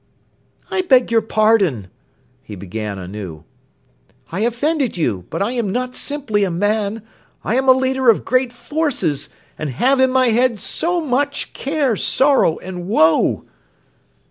"I beg your pardon!" he began anew. "I offended you; but I am not simply a man, I am a leader of great forces and have in my head so much care, sorrow and woe!"